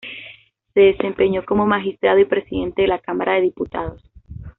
Se desempeñó como magistrado y Presidente de la Cámara de Diputados.